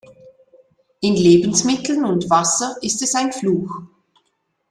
In Lebensmitteln und Wasser ist es ein Fluch.